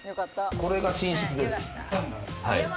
これが寝室です。